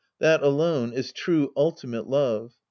That alone is true ultimate love.